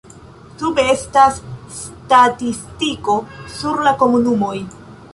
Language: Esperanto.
Sube estas statistiko sur la komunumoj.